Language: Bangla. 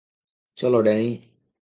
চল, ড্যানি।